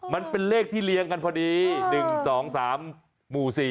มันเป็นเลขที่เรียงกันพอดี๑๒๓หมู่๔